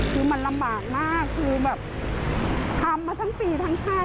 คือมันลำบากมากคือแบบทำมาทั้งปีทั้งชาติ